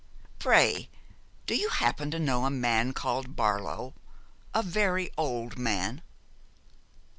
'Pray, do you happen to know a man called Barlow, a very old man?'